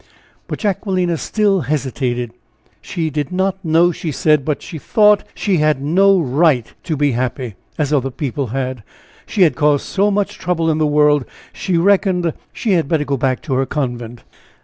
But Jacquelina still hesitated she did not know, she said, but she thought she had no right to be happy, as other people had, she had caused so much trouble in the world, she reckoned she had better go back to her convent.